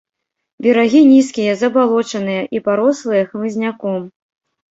Берагі нізкія, забалочаныя і парослыя хмызняком.